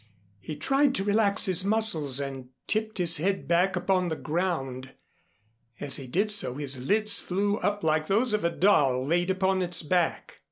He tried to relax his muscles and tipped his head back upon the ground. As he did so his lids flew up like those of a doll laid upon its back.